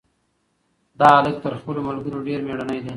دا هلک تر خپلو ملګرو ډېر مېړنی دی.